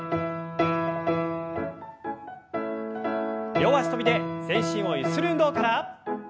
両脚跳びで全身をゆする運動から。